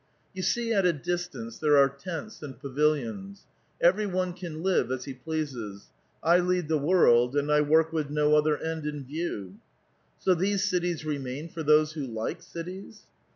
"You see at a distance there are tents and pavilions; every one can live as he pleases : I lead the world, and I work with no other end in view." " So these cities remain for those who like cities?"